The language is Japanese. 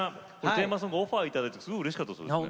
テーマソングオファーを頂いてすごいうれしかったそうですね。